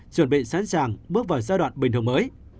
chuẩn bị sẵn sàng bước vào giai đoạn bình thường mới